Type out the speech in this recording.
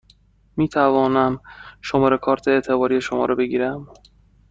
می توانم شماره کارت اعتباری شما را بگیرم؟